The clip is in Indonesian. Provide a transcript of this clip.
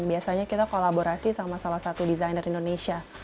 biasanya kita kolaborasi sama salah satu desainer indonesia